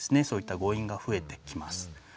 そういった誤飲が増えてきます。